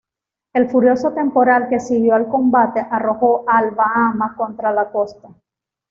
El furioso temporal que siguió al combate arrojó al "Bahama" contra la costa.